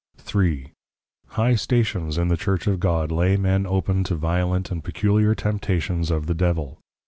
III. High Stations in the Church of God, lay men open to violent and peculiar Temptations of the Devil.